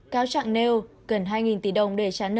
cao trạng nêu gần hai tỷ đồng để trả cho người mua trái phiếu